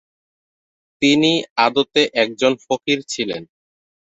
তিনি আদতে একজন ফকির ছিলেন।